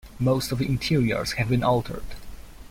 Most of the interiors have been altered.